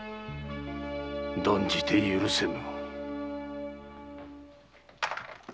断じて許せぬ。